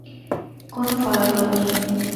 কোন ফলাফল নেই।